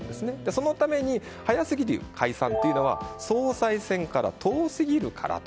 そのために早すぎる解散は総裁選から遠すぎるからと。